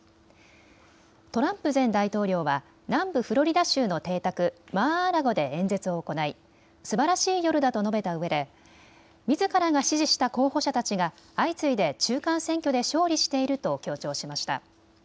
トランプ前大統領は南部フロリダ州の邸宅マー・アー・ラゴで演説を行いすばらしい夜だと述べたうえで、みずからが支持した候補者たちが相次いで中間選挙で勝利していると強調しました。